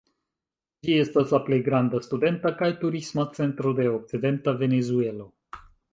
Ĝi estas la plej granda studenta kaj turisma centro de okcidenta Venezuelo.